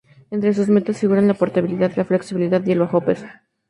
Entre sus metas, figuran la portabilidad, la flexibilidad y el bajo peso.